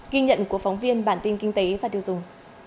ghi nhận của phóng viên bản tin kinh tế và tiêu dùng